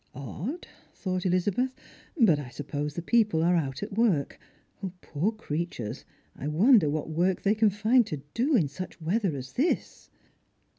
" Odd," thought Elizabeth, " but I suppose the people are out at work. Poor creatures, I wonder what work they can find to do in such weather as this."